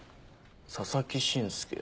佐々木慎介。